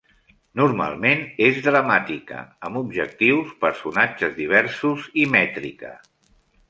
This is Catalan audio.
Normalment és dramàtica, amb objectius, personatges diversos i mètrica.